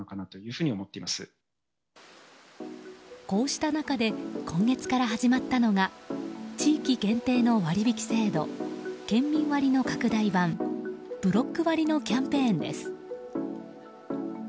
こうした中で今月から始まったのが地域限定の割引制度県民割の拡大版ブロック割のキャンペーンです。